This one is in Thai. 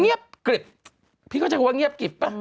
เงียบกริบพี่เขาจะกลัวว่าเงียบกริบป่ะ